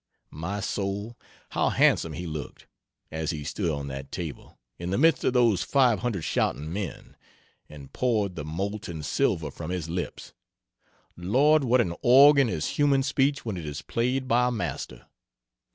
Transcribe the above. My soul, how handsome he looked, as he stood on that table, in the midst of those 500 shouting men, and poured the molten silver from his lips! Lord, what an organ is human speech when it is played by a master!